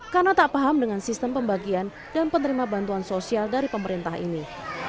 karena tak paham dengan sistem pembagian dan penerima bantuan sosial dari pemerintah ini